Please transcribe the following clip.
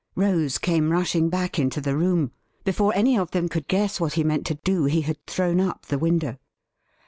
Rose came rushing back into the room. Before any of them could guess what he meant to do, he had thrown up the window.